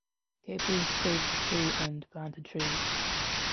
Caples paved the street and planted trees.